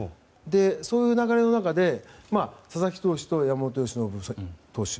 そういう流れの中で佐々木投手と山本由伸投手。